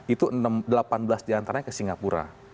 itu delapan belas diantaranya ke singapura